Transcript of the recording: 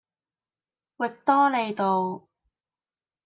域多利道